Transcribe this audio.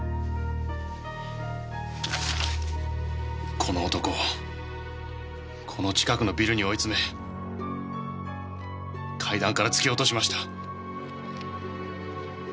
この男をこの近くのビルに追い詰め階段から突き落としました。